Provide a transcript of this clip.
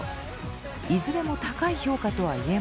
いずれも高い評価とは言えません。